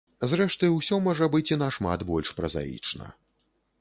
Зрэшты, усё можа быць і нашмат больш празаічна.